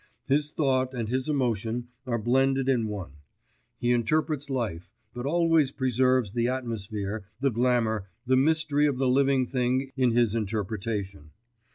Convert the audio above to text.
His thought and his emotion are blended in one; he interprets life, but always preserves the atmosphere, the glamour, the mystery of the living thing in his interpretation.